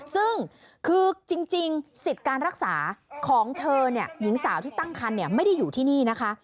ซึ่งคือจริงสิทธิ์การรักษาของเธอเนี่ยหญิงสาวที่ตั้งคันไม่ได้อยู่ที่นี่นะคะ